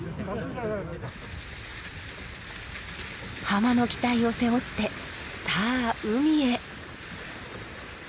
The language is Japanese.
浜の期待を背負ってさあ海へ。